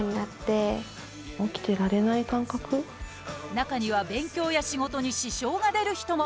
中には、勉強や仕事に支障が出る人も。